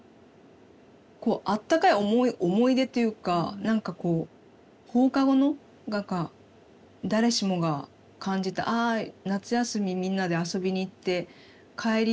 こうあったかい思い出というか何かこう放課後の何か誰しもが感じたあ夏休みみんなで遊びに行って帰り